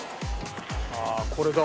ああこれだ。